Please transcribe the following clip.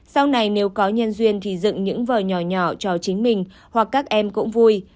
sau này nếu có nhân duyên thì dựng những vở nhỏ nhỏ cho chính mình hoặc các em cũng vui